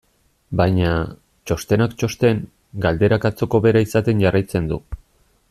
Baina, txostenak txosten, galderak atzoko bera izaten jarraitzen du.